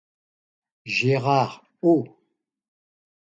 Gérard, oh!